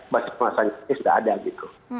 basis masanya ini sudah ada gitu